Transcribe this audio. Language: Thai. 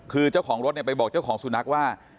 คือเจ้าของรถเนี่ยไปบอกเจ้าของสุนัขว่า